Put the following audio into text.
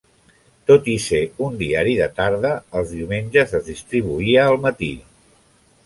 Tot i ser un diari de tarda, els diumenges es distribuïa al matí.